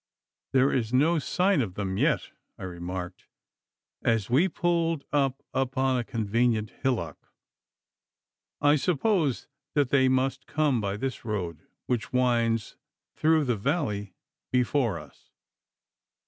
'There is no sign of them yet,' I remarked, as we pulled up upon a convenient hillock. 'I suppose that they must come by this road which winds through the valley before us.